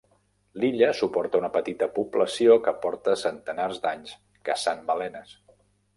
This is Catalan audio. L'illa suporta una petita població que porta centenars d'anys caçant balenes.